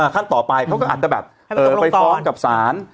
ขั้นต่อไปเขาก็อาจจะแบบไปฟ้องกับศาล